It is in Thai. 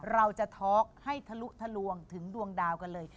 เราจะท็อกให้ทะลุทะลวงถึงดวงดาวกันเลย